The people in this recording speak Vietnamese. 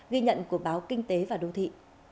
ghi nhận của báo kinh tế và đô thị